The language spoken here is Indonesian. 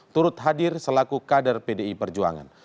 turut hadir selaku kader pdi perjuangan